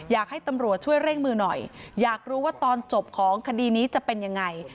อยากให้ตำรวจช่วยเร่งมือหน่อยอยากรู้ว่าตอนจบของคดีนี้จะเป็นยังไง